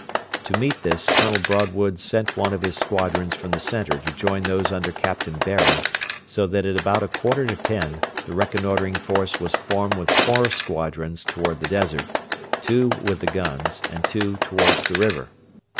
To meet this Colonel Broadwood sent one of his squadrons from the centre to join those under Captain Baring, so that at about a quarter to ten the reconnoitring force was formed with four squadrons towards the desert, two with the guns, and two towards the river.